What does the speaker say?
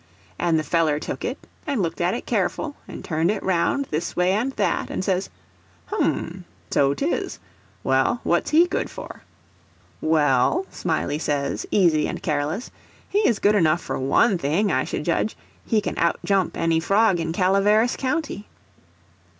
And the feller took it, and looked at it careful, and turned it round this way and that, and says, "H'm—so 'tis. Well, what's he good for?" "Well," Smiley says, easy and careless, "he's good enough for one thing, I should judge—he can outjump any frog in Calaveras county."